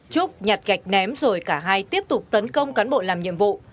trúc nhặt gạch ném rồi cả hai tiếp tục tấn công cán bộ làm nhiệm vụ